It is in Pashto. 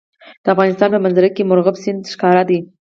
د افغانستان په منظره کې مورغاب سیند ښکاره ده.